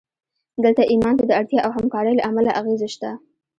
دلته ایمان ته د اړتیا او همکارۍ له امله اغېز شته